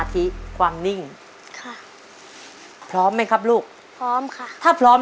เยี่ยม